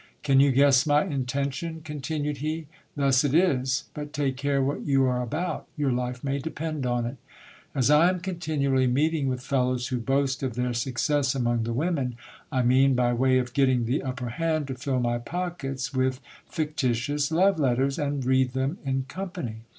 Can you guess my intention ? continued he. Thus it is : but take care what you a/e about; your life may depend on it As I am con tinually meeting with fellows who boast of their success among the women, I mean, by way of getting the upper hand, to fill my pockets with fictitious love letters, and read them in company.